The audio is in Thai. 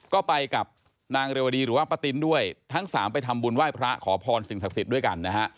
ก็ไปกับนางเรวดีหรือว่าป้าตินด้วยทั้งสามไปทำบุญไหว้พระขอพรสิ่งศักดิ์สิทธิ์ด้วยกันนะฮะ